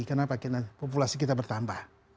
kenapa kita populasi kita bertambah